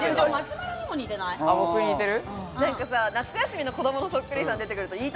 僕に似てる？